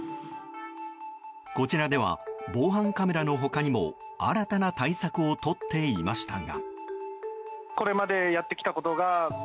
こちらでは防犯カメラの他にも新たな対策をとっていましたが。